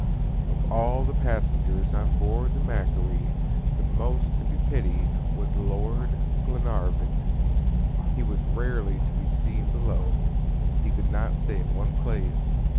Of all the passengers on board the MACQUARIE, the most to be pitied was Lord Glenarvan. He was rarely to be seen below. He could not stay in one place.